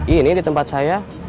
ini di tempat saya